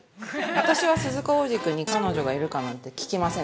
私は鈴鹿央士君に彼女がいるかなんて聞きません。